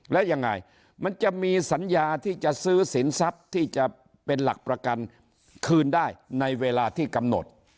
แล้วยังไงมันจะมีสัญญาที่จะซื้อสินทรัพย์ที่จะเป็นหลักประกันคืนได้ในเวลาที่กำหนด